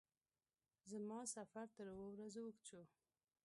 زما سفر تر اوو ورځو اوږد شو.